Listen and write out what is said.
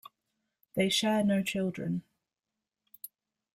They share no children.